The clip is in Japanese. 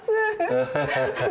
アハハハ。